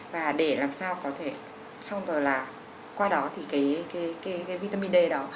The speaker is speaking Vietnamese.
và để làm sao có thể xong rồi là qua đó thì cái vitamin d đó